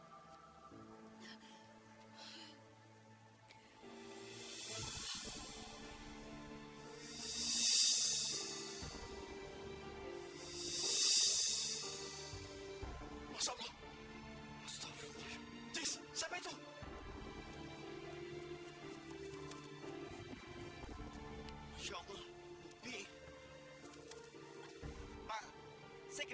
bang slim ternyata disini